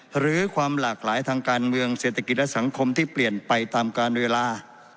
หรือความหลากหลายทางการเมืองเศรษฐกิจและสังคมที่เปลี่ยนไปตามการเวลา